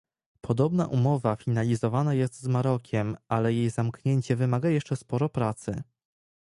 Podobna umowa finalizowana jest z Marokiem, ale jej zamknięcie wymaga jeszcze sporo pracy